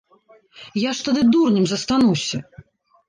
Я ж тады дурнем застануся.